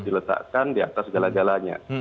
diletakkan di atas galah galahnya